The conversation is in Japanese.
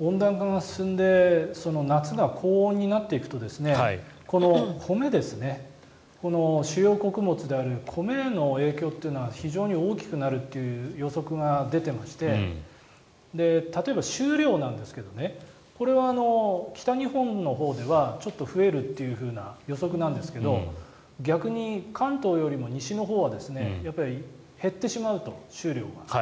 温暖化が進んで夏が高温になっていくとこの米ですね主要穀物である米の影響というのは非常に大きくなるという予測が出ていまして例えば収量なんですがこれは北日本のほうではちょっと増えるという予測なんですが逆に関東よりも西のほうは減ってしまうと、収量が。